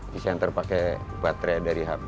di senter pakai baterai dari hp